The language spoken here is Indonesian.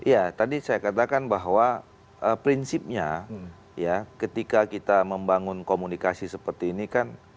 ya tadi saya katakan bahwa prinsipnya ya ketika kita membangun komunikasi seperti ini kan